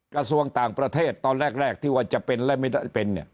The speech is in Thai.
กระทรวงต่างประเทศตอนแรกที่ว่าจะเป็นและไม่ได้เป็น